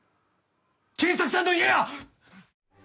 賢作さんの家や！